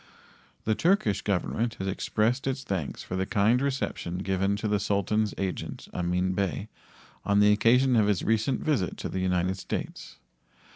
The Turkish Government has expressed its thanks for the kind reception given to the Sultan's agent, Amin Bey, on the occasion of his recent visit to the United States.